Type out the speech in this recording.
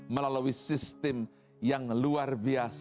melalui sistem yang berpengaruh untuk menjaga alam semesta